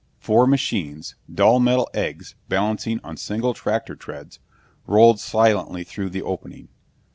Four machines dull metal eggs balancing on single tractor treads rolled silently through the opening.